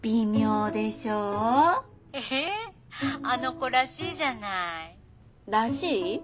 あの子らしいじゃない？らしい？